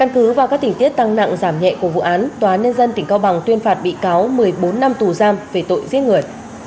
tuyên phạt bị cáo một mươi bốn năm tù giam về tội giết người